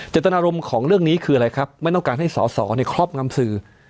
เจตนารมณ์ของเรื่องนี้คืออะไรครับไม่ต้องการให้สอสอในครอบงำสื่อ